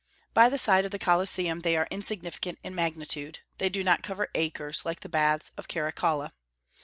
By the side of the Colosseum they are insignificant in magnitude; they do not cover acres, like the baths of Caracalla.